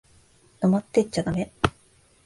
泊まってっちゃだめ？